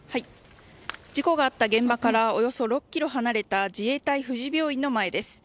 事故があった現場からおよそ６ｋｍ離れた自衛隊富士病院の前です。